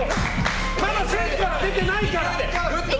まだ線から出てないから！